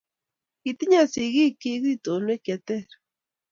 Kitinyei sigikyin itonwek che teer.